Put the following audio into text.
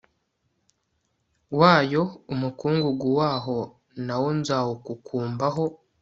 wayo umukungugu waho na wo nzawukukumbaho